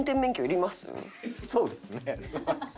そうですね。